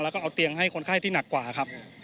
แล้วก็เอาเตียงให้คนไข้ที่หนักกว่าครับ